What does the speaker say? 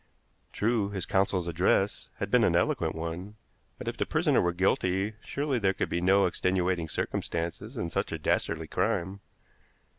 True, his counsel's address had been an eloquent one, but if the prisoner were guilty surely there could be no extenuating circumstances in such a dastardly crime.